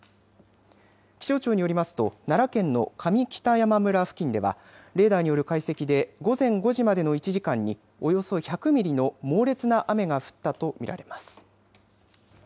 気象庁によりますと奈良県の上北山村付近ではレーダーによる解析で午前５時までの１時間におよそ１００ミリの猛烈な雨が降ったと見られます。